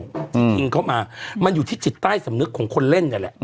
ถูกตายที่ยิงเข้ามามันอยู่ที่จิตใต้สำนึกของคนเล่นนี้แหละ